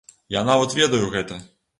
Я нават ведаю гэта!